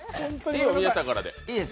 いいよ、宮下からで。